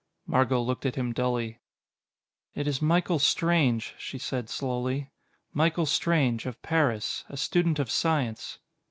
Margot looked at him dully. "It is Michael Strange," she said slowly. "Michael Strange, of Paris. A student of science."